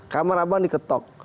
kamar abang diketok